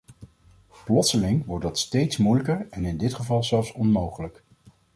Plotseling wordt dat steeds moeilijker en in dit geval zelfs onmogelijk.